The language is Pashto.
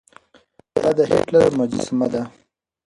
دا د هېټلر مجسمه ده.